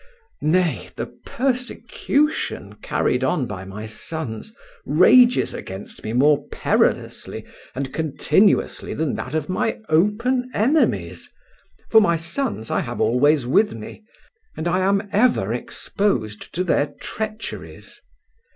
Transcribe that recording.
Nay, the persecution carried on by my sons rages against me more perilously and continuously than that of my open enemies, for my sons I have always with me, and I am ever exposed to their treacheries.